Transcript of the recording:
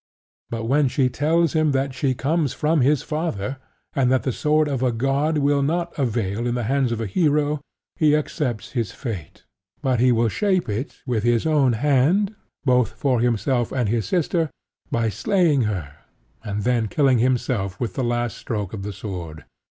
But when she tells him that she comes from his father, and that the sword of a god will not avail in the hands of a hero, he accepts his fate, but will shape it with his own hand, both for himself and his sister, by slaying her, and then killing himself with the last stroke of the sword.